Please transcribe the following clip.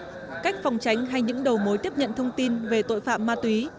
ngoài cách phòng tránh hay những đầu mối tiếp nhận thông tin về tội phạm ma túy